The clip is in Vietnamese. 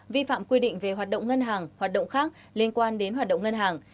vi phạm quy định về hoạt động ngân hàng hoạt động khác liên quan đến hoạt động ngân hàng